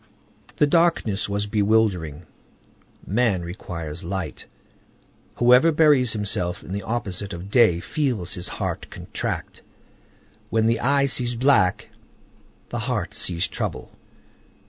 The darkness was bewildering. Man requires light. Whoever buries himself in the opposite of day feels his heart contract. When the eye sees black, the heart sees trouble.